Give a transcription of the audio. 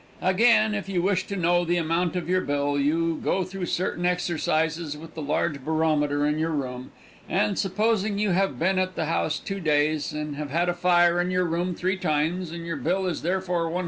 Again, if you wish to know the amount of your bill, you go through certain exercises with the large barometer in your room; and, supposing you have been at the house two days and have had a fire in your room three times, and your bill is therefore $132.